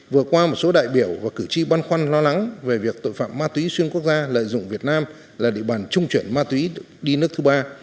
vừa qua một số đại biểu và cử tri băn khoăn lo lắng về việc tội phạm ma túy xuyên quốc gia lợi dụng việt nam là địa bàn trung chuyển ma túy đi nước thứ ba